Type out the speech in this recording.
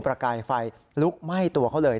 กายไฟลุกไหม้ตัวเขาเลย